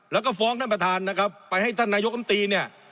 แล้วก็ฟ้องท่านประธานนะครับไปให้ท่านนายกรรมตีเนี่ย